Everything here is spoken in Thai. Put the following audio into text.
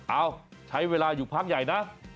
เอาใช้เวลาอยู่พักใหญ่นะ